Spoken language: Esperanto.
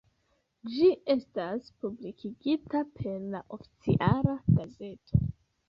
Ĝi estas publikigita per la Oficiala Gazeto.